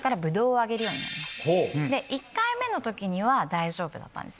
１回目の時には大丈夫だったんですね。